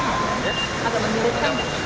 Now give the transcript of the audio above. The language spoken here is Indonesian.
agak memiliki kan